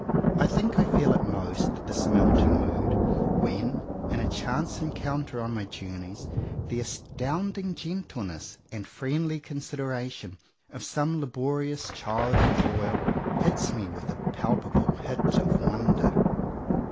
I think I feel it most, this melting mood, when, in a chance encounter on my journeys, the astounding gentleness and friendly consideration of some laborious child of toil hits me with a palpable hit of wonder.